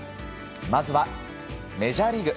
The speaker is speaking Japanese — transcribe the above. まずはメジャーリーグ。